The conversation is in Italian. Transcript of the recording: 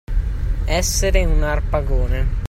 Essere un Arpagone.